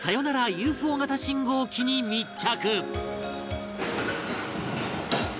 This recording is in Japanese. ＵＦＯ 型信号機に密着